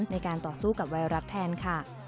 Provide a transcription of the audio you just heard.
ในการต่อสู้กับไวรัสแทนค่ะ